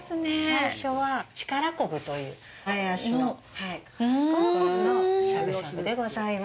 最初は、力こぶという前足のところのしゃぶしゃぶでございます。